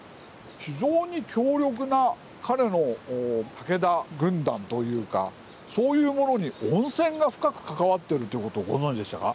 非常に強力な彼の武田軍団というかそういうものに温泉が深く関わってるということをご存じでしたか？